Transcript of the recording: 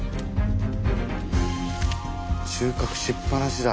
収穫しっ放しだ。